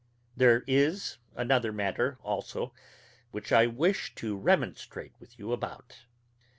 There is another matter, also, which I wish to remonstrate with you about.